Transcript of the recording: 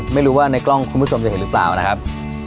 ไม่รู้ว่าในกล้องคุณผู้ชมจะเห็นหรือเปล่านะครับ